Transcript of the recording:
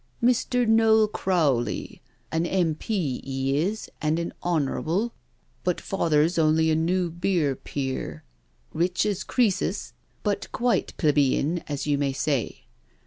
Mr. Noel Crowley — an M.P. *e is and an Hon., but father's only a new beer peer— rich as Creases, but quite plebian as you may say.